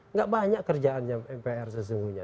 nggak banyak kerjaannya mpr sesungguhnya